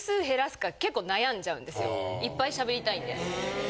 いっぱい喋りたいんで。